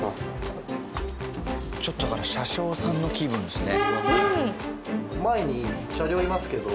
ちょっとなんか車掌さんの気分ですね。